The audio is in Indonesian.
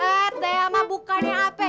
eh thelma bukannya apa